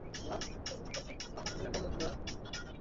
আমাকে কেন মারছেন, স্যার?